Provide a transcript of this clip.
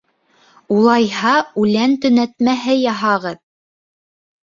— Улайһа, үлән төнәтмәһе яһағыҙ!